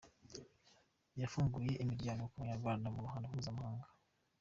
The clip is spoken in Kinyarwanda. Yafunguye imiryango ku banyarwanda mu ruhando mpuzamahanga.